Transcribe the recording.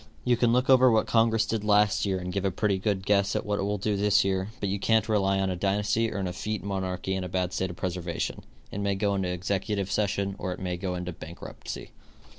You can look over what congress did last year and give a pretty good guess at what it will do this year, but you can't rely on a dynasty or an effete monarchy in a bad state of preservation. It may go into executive session or it may go into bankruptcy.